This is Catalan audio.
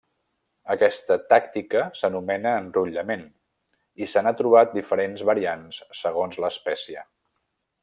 Aquesta tàctica s'anomena enrotllament i se n'han trobat diferents variants segons l'espècie.